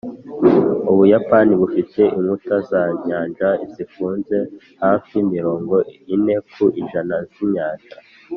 ubuyapani bufite inkuta za nyanja zifunze hafi mirongo ine ku ijana z'inyanja.